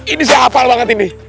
ini saya hafal banget ini